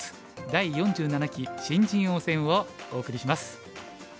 第４７期新人王戦」をお送りします。